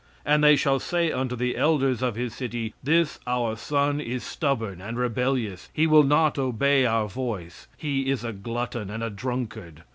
"And they shall say unto the elders of his city, this our son is stubborn and rebellious, he will not obey our voice, he is a glutton, and a drunkard.